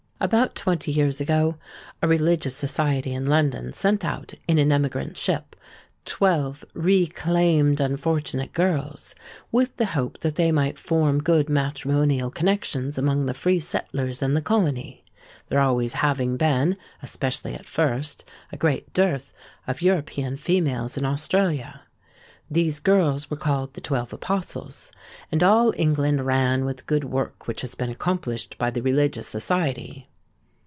About twenty years ago a Religious Society in London sent out, in an emigrant ship, twelve 'reclaimed unfortunate girls,' with the hope that they might form good matrimonial connexions among the free settlers in the colony; there always having been—especially at first—a great dearth of European females in Australia. These girls were called the Twelve Apostles; and all England rang with the good work which had been accomplished by the Religious Society.